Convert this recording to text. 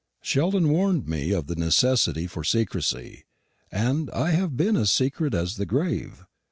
Sheldon warned me of the necessity for secrecy, and I have been as secret as the grave.